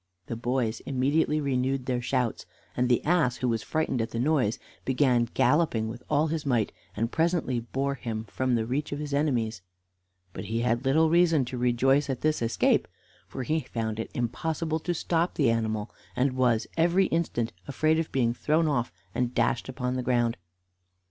The boys immediately renewed their shouts, and the ass, who was frightened at the noise, began galloping with all his might, and presently bore him from the reach of his enemies. But he had little reason to rejoice at this escape, for he found it impossible to stop the animal, and was every instant afraid of being thrown off and dashed upon the ground.